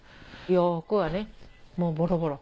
洋服はねもうボロボロ。